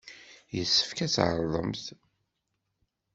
Yessefk ad tɛerḍemt.